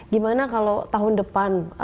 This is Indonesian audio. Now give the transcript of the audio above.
gimana kalau tahun depan